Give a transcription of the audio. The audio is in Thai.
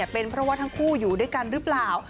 เป็นเพราะว่าทั้งคู่อยู่ด้วยกันหรือเปล่า